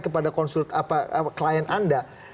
kepada konsult apa klien anda